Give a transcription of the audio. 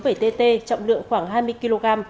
vẩy tt trọng lượng khoảng hai mươi kg